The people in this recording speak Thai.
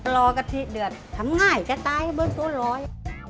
ลอกะทิเดือดทำง่ายแค่ตายเบื้องตัวรอย